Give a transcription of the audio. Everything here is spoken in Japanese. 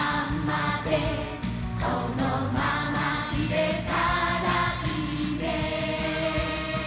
「このままいれたらいいね」